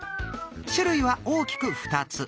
種類は大きく２つ。